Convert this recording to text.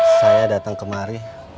saya datang kemari